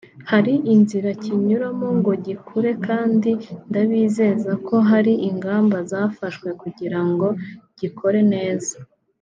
Hari inzira kinyuramo ngo gikure kandi ndabizeza ko hari ingamba zafashwe kugira ngo gikore neza